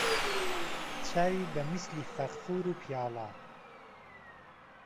چاوی به میسلی فهغفور و پیاڵه